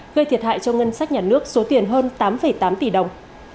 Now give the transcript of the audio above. gây thiệt hại cho ngân sách nhà nước số tiền hơn tám tám tỷ đồng